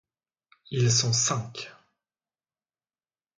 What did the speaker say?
Ils sont cinq!